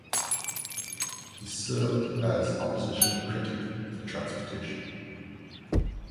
He served as Opposition Critic for Transportation.